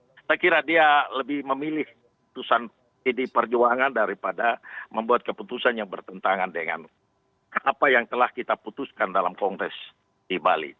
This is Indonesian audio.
saya kira dia lebih memilih keputusan pdi perjuangan daripada membuat keputusan yang bertentangan dengan apa yang telah kita putuskan dalam kongres di bali